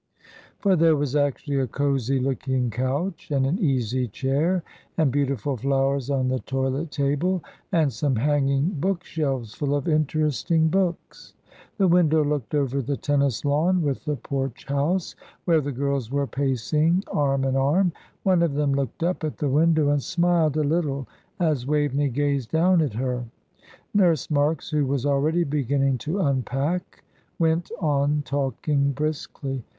For there was actually a cosy looking couch, and an easy chair, and beautiful flowers on the toilet table, and some hanging book shelves full of interesting books. The window looked over the tennis lawn with the Porch House, where the girls were pacing arm in arm. One of them looked up at the window, and smiled a little as Waveney gazed down at her. Nurse Marks, who was already beginning to unpack, went on talking briskly.